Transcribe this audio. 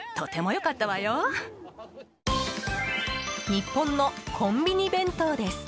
日本のコンビニ弁当です。